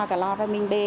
cà lao ra miên bê